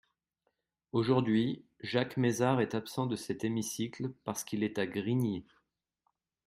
Aujourd’hui, Jacques Mézard est absent de cet hémicycle parce qu’il est à Grigny.